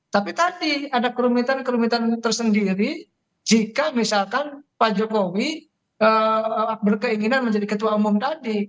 tapi tadi ada kerumitan kerumitan tersendiri jika misalkan pak jokowi berkeinginan menjadi ketua umum tadi